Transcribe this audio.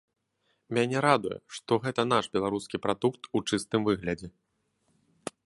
Мяне радуе, што гэта наш беларускі прадукт у чыстым выглядзе.